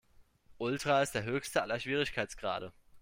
Ultra ist der höchste aller Schwierigkeitsgrade.